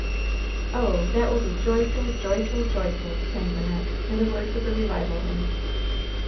"Oh, that will be joyful, joyful, joyful !" sang Wyn nette, in the words of a revival hymn.